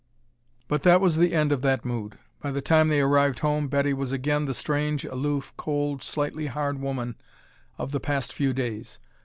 But that was the end of that mood. By the time they arrived home Betty was again the strange, aloof, cold, slightly hard woman of the past few days.